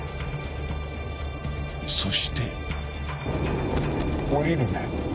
［そして］